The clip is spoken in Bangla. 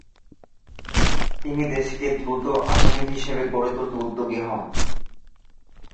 তিনি দেশকে দ্রুত আধুনিক হিসেবে গড়ে তুলতে উদ্যোগী হন।